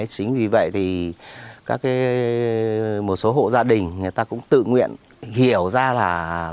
chính vì vậy thì một số hộ gia đình người ta cũng tự nguyện hiểu ra là